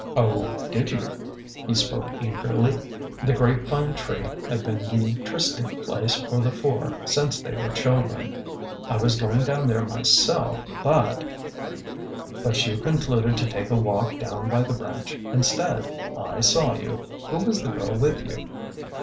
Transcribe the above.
" Oh, did you ?" He spoke eagerly. The grape vine THE SINGLE AIM 9 tree had been the trysting place for the four since they were children. I was going down there myself, but—'' '' But you concluded to take a walk down by the branch instead. I saw you. Who was the girl with you?"